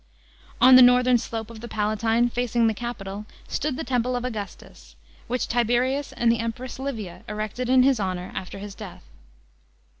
On the northern slope of the Palatine, facing the Capitol, stood the temple of Augustus, which Tiberius and the Empress Livia erected in his honour alter his death.